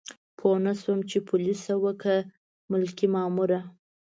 پوه نه شوم چې پولیسه وه که ملکي ماموره.